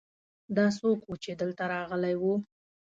دا څوک ؤ چې دلته راغلی ؤ